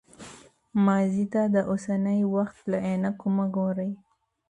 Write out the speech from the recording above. ماضي ته د اوسني وخت له عینکو مه ګورئ.